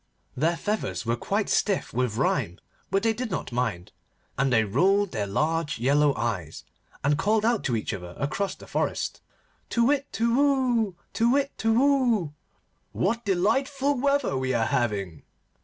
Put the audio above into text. Their feathers were quite stiff with rime, but they did not mind, and they rolled their large yellow eyes, and called out to each other across the forest, 'Tu whit! Tu whoo! Tu whit! Tu whoo! what delightful weather we are having!